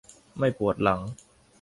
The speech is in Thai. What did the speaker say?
ไม่ปวดหลัง